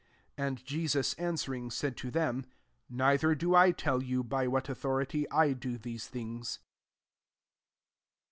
And Jesus answering, said to them, " Nei ther do I tell you by what au thority I do these things."